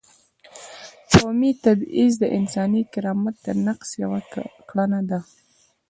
قومي تبعیض د انساني کرامت د نقض یوه کړنه ده.